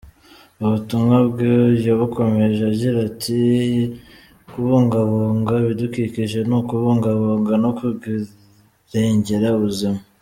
Ubutumwa bwe yabukomeje agira ati,"Kubungabunga ibidukikije ni ukubungabunga no kurengera ubuzima.